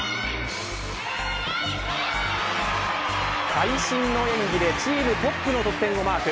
会心の演技でチームトップの得点をマーク。